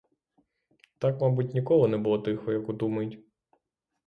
Так, мабуть, ніколи не було тихо, як у ту мить.